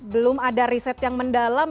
belum ada riset yang mendalam